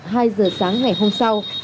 một hai h sáng ngày hôm sau